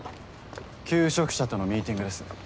求職者とのミーティングです。